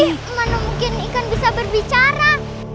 tapi mana mungkin ikan bisa berbicara